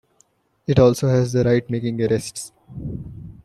It also has the right making arrests.